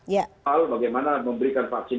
soal bagaimana memberikan vaksin